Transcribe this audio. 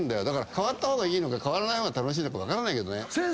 だから変わった方がいいのか変わらない方が楽しいのか分からないけどね。